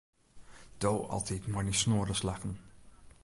Do altyd mei dyn snoade slaggen.